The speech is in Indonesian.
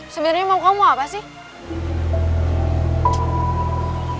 sebenernya mau kamu apa sih